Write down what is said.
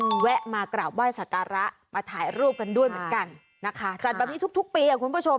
แวะมากราบไหว้สักการะมาถ่ายรูปกันด้วยเหมือนกันนะคะจัดแบบนี้ทุกทุกปีอ่ะคุณผู้ชม